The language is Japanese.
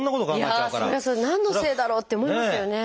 何のせいだろうって思いますよね。